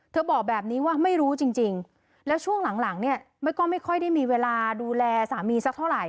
บอกแบบนี้ว่าไม่รู้จริงแล้วช่วงหลังเนี่ยก็ไม่ค่อยได้มีเวลาดูแลสามีสักเท่าไหร